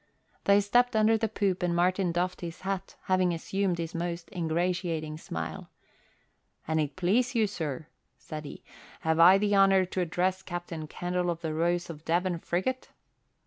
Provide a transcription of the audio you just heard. They stepped under the poop and Martin doffed his hat, having assumed his most ingratiating smile. "An it please you, sir," said he, "have I the honour to address Captain Candle of the Rose of Devon frigate?"